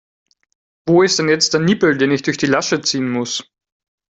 Wo ist denn jetzt der Nippel, den ich durch die Lasche ziehen muss?